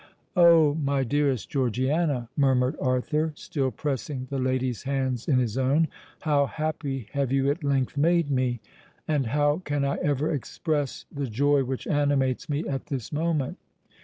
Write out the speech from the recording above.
"Oh! my dearest Georgiana," murmured Arthur, still pressing the lady's hands in his own, "how happy have you at length made me—and how can I ever express the joy which animates me at this moment!